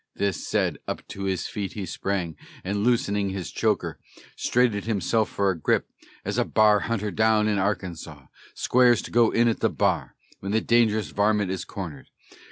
This said, up to his feet he sprang, and loos'ning his choker, Straighted himself for a grip, as a b'ar hunter down in Arkansas Squares to go in at the b'ar, when the dangerous varmint is cornered.